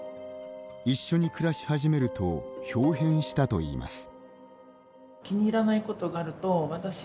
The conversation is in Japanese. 一緒に暮らし始めるとひょう変したといいます。